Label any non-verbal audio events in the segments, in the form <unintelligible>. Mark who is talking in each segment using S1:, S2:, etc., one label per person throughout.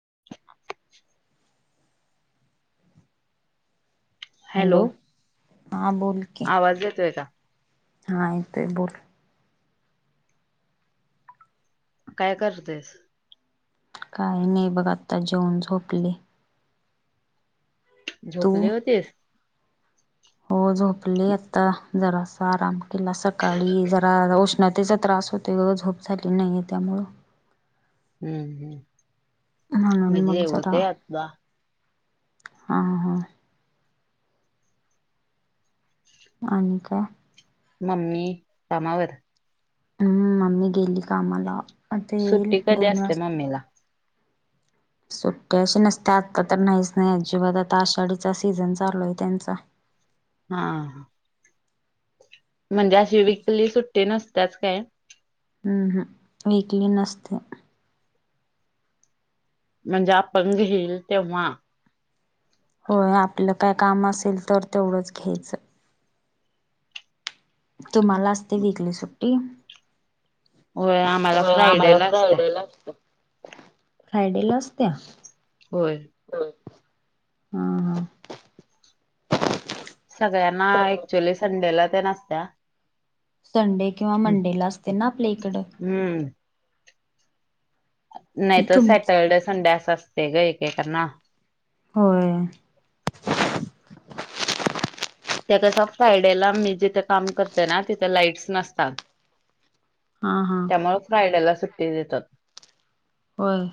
S1: <inaudible> Hello आवाज येतोय का?
S2: हां येतोय बोल.
S1: काय करतेस?
S2: काही नाही बघ आता जेऊन झोपले. तू
S1: झोपले होतीस?
S2: हो झोपली आता. जरा अस आराम केला. सकाळी जरा उष्णतेचा त्रास होतो, झोप झाली नाही त्यामुळ
S1: हम्म हम्म.
S2: म्हणून, मग जरा हा हा. आणि काय?
S1: मम्मी कामावर
S2: हम्म मम्मी गेली कामाला, आता येईल
S1: सुट्टी कधी
S2: दोन
S1: असते
S2: वाजता.
S1: मम्मीला
S2: सुट्ट्या अशी नसते आत्ता तर, नाहीच नाही अजिबात आता आषाढीचा, सीझन चालूय त्यांचा
S1: हा ह. म्हणजे अशी विकली, सुट्टी नसतच काय.
S2: वीकली नसते.
S1: म्हणजे अपंग, येईल तेव्हा.
S2: होय आपलं काय-काम, असेल तर तेवढंच घ्यायचं. तुम्हाला असते वीकली सुट्टी
S1: होय आम्हाला
S2: हो
S1: फ्रायडे
S2: आम्हाला
S1: ला असत्या
S2: फ्रायडे ला असतो फ्रायडे ला असत्या
S1: होय
S2: हम हा
S1: सगळ्यांना क्च्युली संडेला त्या नसत्या
S2: संडे किंवा मंडेला असते ना आपल्या इकडं
S1: हम्म नाही तर
S2: तुमच
S1: सॅटर्डे संडे अस असते ग का करना
S2: होय
S1: त्या कस फ्रायडेला मी जिथे काम करते ना तिथे लाईट्स नसतात
S2: हा हा
S1: त्यामु फ्रायडेला सुट्टी देतात
S2: होय.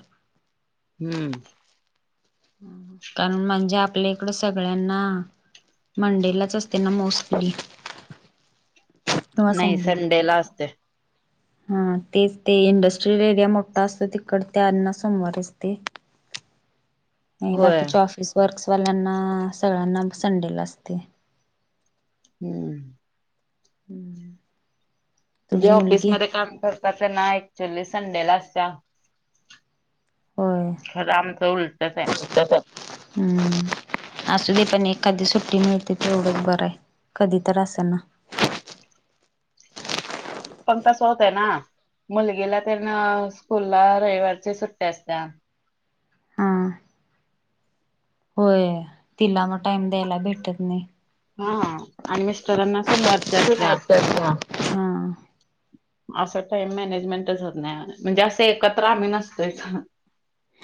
S1: हम्म
S2: कारण म्हणजे आपल्या इकडं सगळ्यांना मंडेलाच असते ना मोस्कली
S1: नाही संडे ला असते
S2: हा तेच ते इंडस्ट्रीियल एरिया मोठा असतो तिकड त्याना सोमवारच ते
S1: <unintelligible>
S2: आणि
S1: होय
S2: बाकीच्या ऑफिस वर्क्सवाल्यांना सगळ्यांना संडेला असते
S1: हम्म
S2: हम्म
S1: जे
S2: तुझी मुलगी
S1: ऑफिसमध्ये काम करतात ना क्चुली संडे ला असते.
S2: होय.
S1: खर आमचं उलटच आहे.
S2: हम्म असू दे पण एखादी सुट्टी मिळते ते एवढंच बरं आहे कधी तर असे ना.
S1: <inaudible> पण कसं होत आहे ना. मुलगीला तर ना स्कूलला रविवारच्या सुट्ट्या असत्या.
S2: हा होय तिला मग टाइम द्यायला भेटत नाही.
S1: हा आणि मिस्टरांना सोमवारचे असत्या.
S2: हा
S1: असं टाइम मॅनेजमेंटच होत नाही म्हणजे असं एकत्र आम्ही नसतोयच.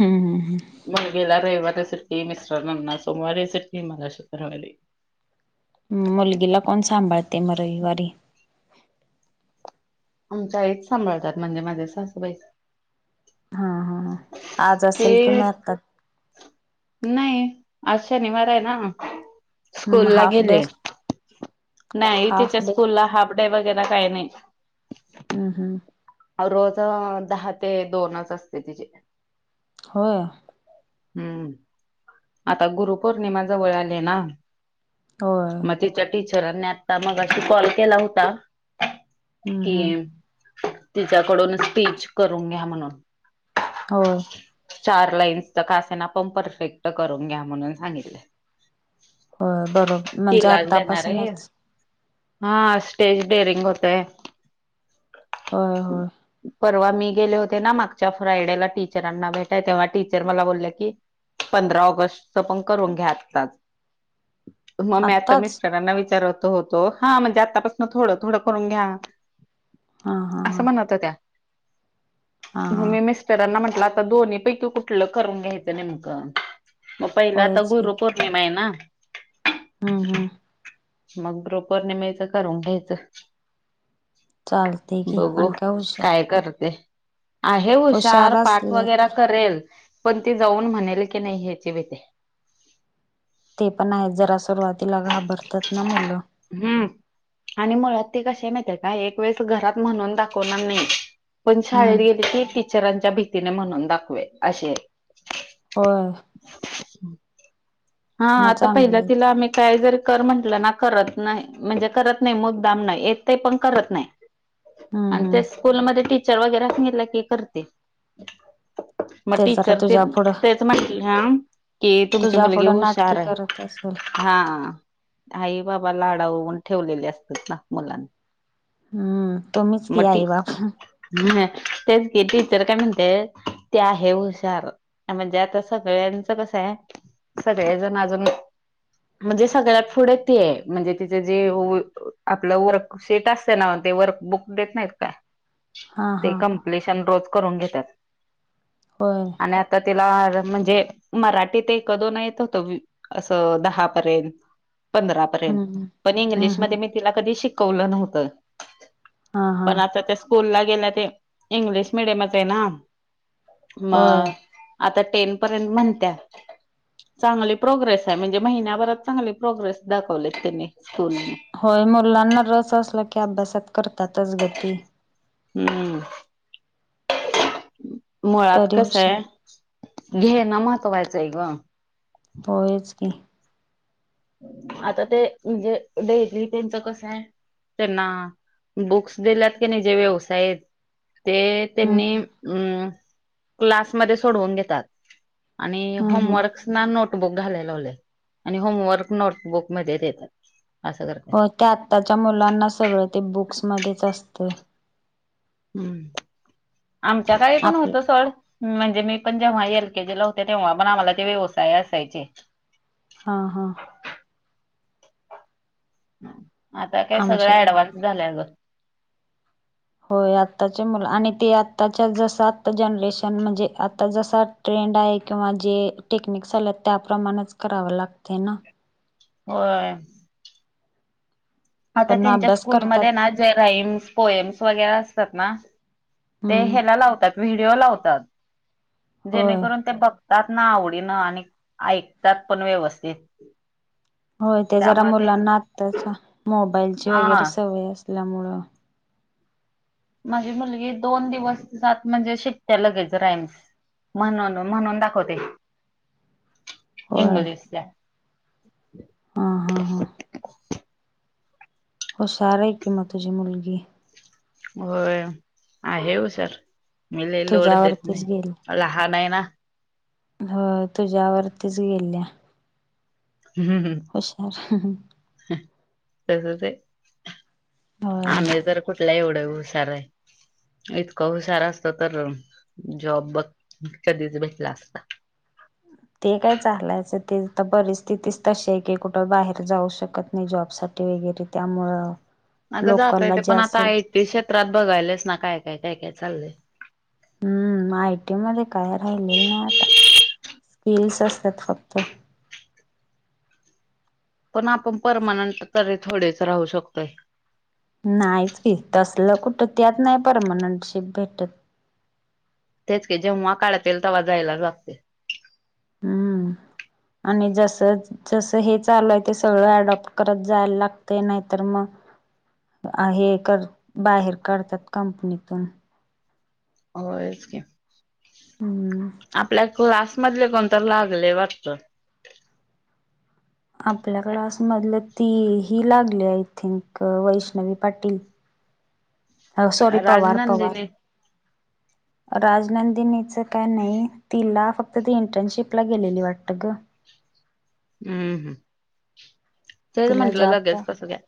S2: हम्म
S1: मग गेला रविवार. सुट्टी मिस्टरांना सोमवारी सुट्टी मला शुक्रवारी.
S2: हम्म मुलगीला कोण सांभाळते म रविवारी
S1: आमच्या आईच सांभाळतात म्हणजे माझे सासूबाईच.
S2: हा हा आज असेल कि
S1: ते
S2: मग आता
S1: नाही. आज शनिवार आहे ना?
S2: हम्म
S1: स्कूल ला
S2: हाफ डे
S1: गेले नाही
S2: हाफ
S1: तिच्या
S2: डे
S1: स्कूलला हा वगैरे काही नाही.
S2: हम् हम्म
S1: <unintelligible> रोज दहा ते दोनच असते तिचेे.
S2: होय
S1: हम्म आता गुरुपौर्णिमा जवळ आले ना.
S2: होय
S1: मग तिच्या टीचरनी आता मघाशी कॉल केला होता.
S2: हम्म
S1: कि
S2: हम्म
S1: तिच्याकडून स्टीच करून घ्या म्हणून.
S2: होय
S1: चार लाईन्स तर कासेना पण परफेक्ट करून घ्या म्हणून सांगितलय.
S2: होय बरोबर म्हणजे
S1: आहे
S2: आतापासूनच.
S1: हा स्टेज डेअरिंग होतय.
S2: होय होय
S1: परवा मी गेले होते ना मागच्या फ्रायडेला टीचरांना भेट तेव्हा टीचर मला बोलल्या की पंधरा ऑगस्ट पण करून घ्या आताच. मग मी आता
S2: आत्ताच
S1: मिस्टरांना विचारत होतो हा म्हणजे आतापासन थोडं थोडं करून घ्या
S2: हा हा
S1: असं
S2: हा
S1: म्हणत होत्या.
S2: हा
S1: मग
S2: हा
S1: मी मिस्टरांना म्हंटलं आता दोन्ही पैकी कुठलं करून घ्यायचं नेमकं. मग पहिला आता
S2: होयच
S1: गुरुपोर्णिमा आहे ना?
S2: हम् हम्म
S1: मग गुरुपौर्णिमेचा करून घ्यायच.
S2: चालते की
S1: बघू
S2: आणि हुशार
S1: काय करते. आहे हुशार पाठ
S2: असल्या
S1: वगैरे
S2: तर
S1: करेल. पण ती जाऊन म्हणेल की नाही ह्याची भीती
S2: ते पण आहे जरा सुरुवातीला घाबरतात ना मुलं.
S1: हम्म आणि मुळात ती कशी माहित काय एक वेळेस घरात म्हणून दाखवणार नाही. पण शाळेत
S2: हम्म
S1: गेले की टीचरांच्या भीतीने म्हणून दाखवेल अशि
S2: हो
S1: हा आता पहिलं
S2: चांगलं
S1: तिला आम्ही काय जरी. म्हटल ना करत नाही म्हणजे करत नाही मुद्दाम नाही येतय पण करत नाही.
S2: हम्म
S1: आणि त्या
S2: हम्म
S1: स्कूलमध्ये टीचर वगैरेनी सांगितलं की करते. म
S2: जरा
S1: टीचर ते
S2: तुझ्या पुढं
S1: तेच म्हटल्या हा <unintelligible> कि तुमची
S2: तुझ्या
S1: मुलगी
S2: पुढं नाटकी
S1: हुशाराय
S2: करत असेल
S1: हा आई बाबा लाडावून ठेवलेले असतात ना मुलांना
S2: हम्म तुम्हीच की
S1: मट
S2: आई बाप
S1: <unintelligible> ह तेच ते टीचर काय म्हणते ते आहे हुशार म्हणजे आता सगळ्यांचं कसंहाय सगळे जण अजून म्हणजे सगळ्यात थोडे तेय म्हणजे तिचे जे आपलं वर्क सेट असत ना ते वर्क बुक देत नाहीत का <unintelligible>
S2: हा
S1: ते
S2: हा
S1: कपलेशन रोज करून घेत्यात
S2: होय
S1: आणि आता ते <unintelligible> म्हणजे मराठीत एक दोन येत होत असं दहा पर्यंत पंधरा
S2: हम्म
S1: पर्यंत पण
S2: हम्म हम्म हम्म
S1: इंग्लिशमध्ये मी तिला कधी शिकवलं नव्हतं
S2: हा हा
S1: पण आता त्या स्कूलला गेल्या ते इंग्लिश मिडियमचय ना
S2: होय
S1: मग आता टेन पर्यंत म्हणत्या चांगली प्रोग्रेस आहे म्हणजे महिन्याभरात चांगली प्रोग्रेस दाखवलेत त्यांनी स्कूल
S2: होय मुलांना रस असला की अभ्यासात करतातच गती
S1: हम्म. मुळात
S2: तरी हुशार
S1: कसय घेन महत्वायचय ग
S2: होयच की
S1: आता ते जे डेली त्यांच कसंय त्यांना बुक्स दिल्यात की नाही जे व्यवसाय ते
S2: हम्म
S1: त्यांनी अ क्लासमध्ये सोडवून घेतात आणि
S2: हम्म हम्म
S1: होमवर्क्स ना नोटबुक घालेलावले आणि होमवर्क नोटबुकमध्येध्ये देतात असं
S2: हो
S1: करतात
S2: ते आत्ताच्या मुलांना सगळं ते बुक्समध्येच असतंय
S1: हम्म आमच्या काळी पण
S2: आपलं
S1: होतं सड म्हणजे मी पण जेव्हा एल केजी ला होते तेव्हा पण आम्हाला ते व्यवसाय असायचे
S2: हा हा
S1: आता काय सगळ
S2: आमच्याकडे
S1: ऍडव्हान्स झाल्या गं
S2: होय आत्ताचे मुलं आणि ते आत्ताच्या जस आत्ता जनरेशन म्हणजे आता जसा ट्रेंड आहे किंवा जे टेक्निकस आले त्याप्रमाणेच कराव लागते ना
S1: होय आता
S2: पण
S1: त्यांच्या
S2: अभ्यास करतात
S1: स्कूलमध्ये ना जे राइम्स पोएम्स वगैरे असतात ना ते
S2: हम्म
S1: ह्याला लावतात व्हिडिओ लावतात
S2: होय
S1: जेणेकरून ते बघ तात ना आवडीन आणि ऐकतात पण व्यवस्थित
S2: होय ते जरा मुलांना आताच मोबाईलची वगैरे
S1: हा
S2: सवय असते. लामुळ
S1: माझी मुलगी दोन दिवस जात म्हणजे शिकत्या लगेच रायम्स म्हणून म्हणून दाखवते.
S2: होय
S1: इंग्लिशचा
S2: हा हा हुशाराय कि म तुझी मुलगी
S1: होय आहे हुशार मी लय लोड देत
S2: तुझ्यावरतीच
S1: नाही लहानाय ना
S2: हो तुझ्यावररतीच गेल्या. हुशार
S1: तसंचय
S2: होय
S1: आम्ही तर कुठला एवढं हुशाराय इतकं हुशार असत तर जॉब बघ कधीच भेटला असता. <inaudible>
S2: ते काय चाललायचं ते तर परिस्थितीच तशी आहे की कुठं बाहेर जाऊ शकत नाही जॉबसाठी साठी वगैरे त्यामुळं
S1: अगं
S2: लोकलला
S1: जातयेत
S2: जे
S1: पण आता
S2: असेल
S1: आयटी क्षेत्रात बघायल्यास ना काय काय काय काय चाललंय.
S2: हम्म आयटी मध्ये काय राहिलेल ना आता स्किल्स असतात फक्त
S1: पण आपण परमानंट त थोडेच राहू शकतोय.
S2: नाहीच की तसलं कुठं त्यात नाही परमनंट शिप भेटत.
S1: तेच क जेव्हा काढतील तेव्हा जायला लागतय.
S2: हम्म आणि जस जस हे चालूय ते सगळं अडप्ट करत जायला लागतय नाहीतर मग हे कर बाहेर काढतात कंपनीतून
S1: होयच कि
S2: हम्म
S1: आपल्या क्लास मधले कोण तर लागलय वाटत.
S2: आपल्याकडे क्लास मधलं ती ही लागलीया I think Vaishnavi Patil sorry Pawar Pawar
S1: Rajnandini
S2: राजनंदिनीचं काय नाही तिला फक ती इंटर्नशिपला गेलेली वाटतं ग.
S1: हम्म हम् ते तर
S2: तिला
S1: म्हटलं
S2: जॉब
S1: लगेच कसं काय.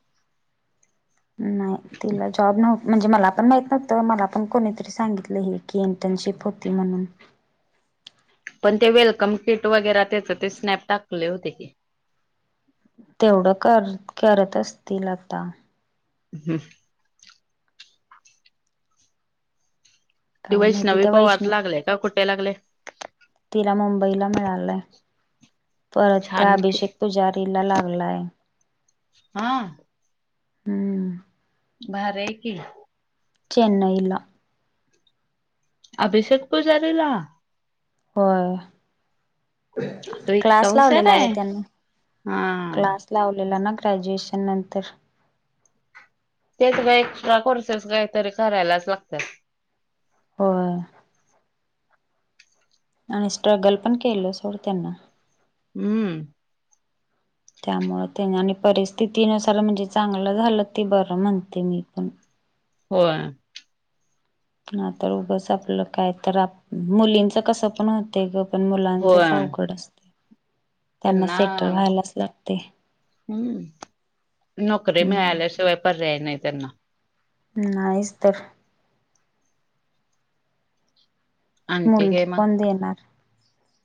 S2: नाही तिला जॉब नव्हत. म्हणजे मला पण माहित नव्हतं मला पण कोणीतरी सांगितलं हे की इंटर्नशिप होती म्हणून,
S1: पण ते वेलकम किट वगैरे त्याच ते स्नॅप टाकले होते की,
S2: तेवढं कर करत असतील आता
S1: हम् की
S2: काय माहिती
S1: वैष्णवी
S2: त्या
S1: पवार
S2: वैष्णव
S1: लागले का? कुठे लागले?
S2: तिला मुंबईला मिळालंय. परत त्या
S1: छान की
S2: अभिषेक पुजारीला लागलाय.
S1: हा.
S2: हम्म.
S1: भारीय कि
S2: चेन्नईला
S1: अभिषेक पूजारीला
S2: होय.
S1: तो इतका
S2: क्लास
S1: हुशार
S2: लावलेला ग
S1: आहे
S2: त्यांनी
S1: हा
S2: क्लास लावलेला ना ग्रॅज्युएशन नंतर
S1: तेच का एक्स्ट्रा कोर्सेस काहीतरी करायलाच लागत्यात.
S2: हो, आणि स्ट्रगल पण केलं सोडं त्यांना
S1: हम्म,
S2: त्यामुळे त्यांनी आणि परिस्थितीनुसार म्हणजे चांगलं झालं ते बरं म्हणते मी पण,
S1: होय,
S2: ह तर उगच आपलं काय तर मुलींच कस पण होत ग. पण मुलांचच
S1: होय
S2: अवघड असते. त्यांना सेटल व्हायलाच लागते.
S1: हम्म नोकरी
S2: हम्म
S1: मिळाल्याशिवाय पर्याय नाही त्यांना.
S2: नाहीच तर,
S1: आणखी
S2: मुलगी
S1: काय मग
S2: कोण देणार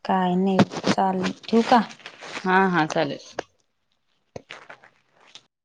S2: काय नाही चालेल ठेवू का?
S1: हा हा चालेल